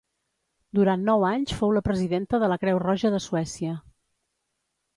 Durant nou anys fou la presidenta de la Creu Roja de Suècia.